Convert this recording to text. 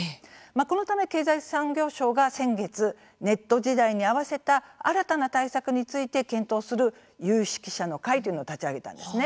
このため経済産業省が先月ネット時代に合わせた新たな対策について検討する有識者の会というのを立ち上げたんですね。